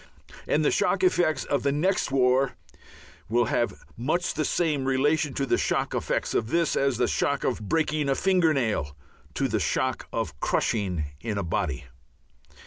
And the shock effects of the next war will have much the same relation to the shock effects of this, as the shock of breaking a finger nail has to the shock of crushing in a body.